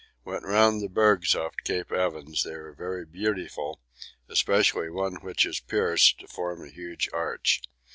Went round the bergs off Cape Evans they are very beautiful, especially one which is pierced to form a huge arch.